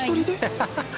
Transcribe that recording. ハハハ。